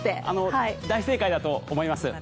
大正解だと思います。